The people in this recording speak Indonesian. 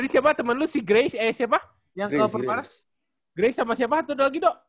tadi siapa temen lu si grace eh siapa yang kalau purwanas grace sama siapa atau ada lagi do